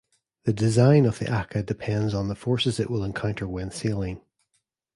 The design of the aka depends on the forces it will encounter when sailing.